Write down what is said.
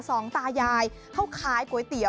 สองตายายเขาขายก๋วยเตี๋ย